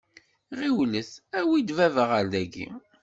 Ɣiwlet, awit-d baba ɣer dagi.